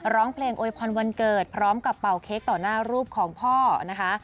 ร้องเพลงโอยพรวันเกิดพร้อมกับเป่าเค้กต่อหน้ารูปของพ่อนะคะ